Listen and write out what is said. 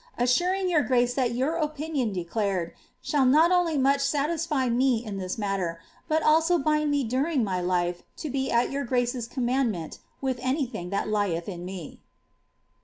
Assuring your grace that your opini«)n de» clared shall not only much satisfy me in this matter, but also bind me Jurin; my life to be at your grace's commandment with any thing that lieth in uie.